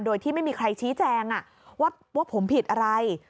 โดยที่ไม่มีใครชี้แจงว่าผมผิดอะไร